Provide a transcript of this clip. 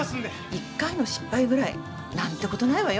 一回の失敗ぐらい何てことないわよ。